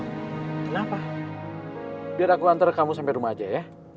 kenapa biar aku antar kamu sampai rumah aja ya